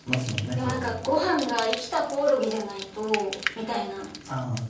なんかごはんが生きたコオロギじゃないとみたいな。